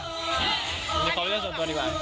ขอไปเรียกส่วนตัวดีกว่า